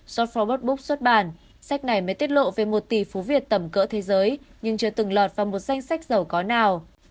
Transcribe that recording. sotobert book xuất bản sách này mới tiết lộ về một tỷ phú việt tầm cỡ thế giới nhưng chưa từng lọt vào một danh sách giàu có nào